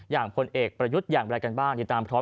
อย่างคนเอกประยุทธ์อย่างไรกันบ้าง